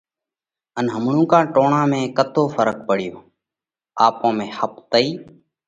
ان همڻُوڪا ٽوڻا ۾ ڪتو ڦرق پڙيوه؟ آپون ۾ ۿپتئِي